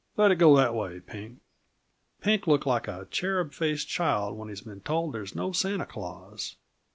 Let it go that way, Pink." Pink looked like a cherub faced child when he has been told there's no Santa Claus.